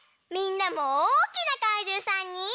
みんなもおおきなかいじゅうさんに。